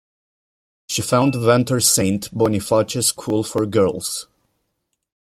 She founded Ventnor Saint Boniface School for girls.